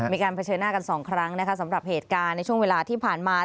มีการเผชิญหน้ากัน๒ครั้งสำหรับเหตุการณ์ในช่วงเวลาที่ผ่านมา